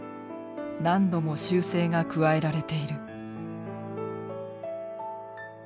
何度も修正が加えられている。